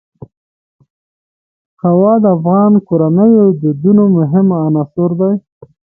هوا د افغان کورنیو د دودونو مهم عنصر دی.